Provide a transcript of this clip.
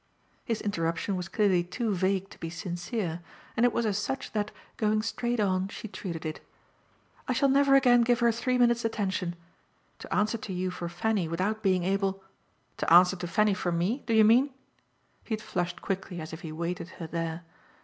His interruption was clearly too vague to be sincere, and it was as such that, going straight on, she treated it. "I shall never again give her three minutes' attention. To answer to you for Fanny without being able " "To answer to Fanny for me, do you mean?" He had flushed quickly as if he awaited her there.